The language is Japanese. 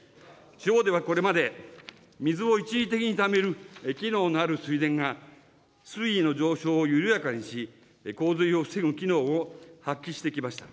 地方ではこれまで、水を一時的にためる機能のある水田が水位の上昇を緩やかにし、洪水を防ぐ機能を発揮してきました。